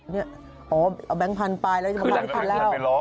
อ๋อเอาแบงค์พันธุ์ไปแล้วจะประมาณที่พันธุ์แล้ว